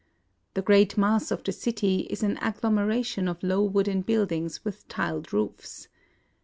The great mass of the city is an agglomeration of low wooden buildings with tiled roofs.